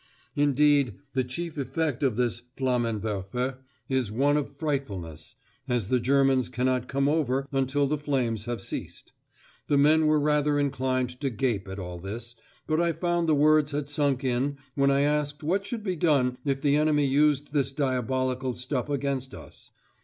Indeed, the chief effect of this flammenwerfer is one of frightfulness, as the Germans cannot come over until the flames have ceased. The men were rather inclined to gape at all this, but I found the words had sunk in when I asked what should be done if the enemy used this diabolical stuff against us.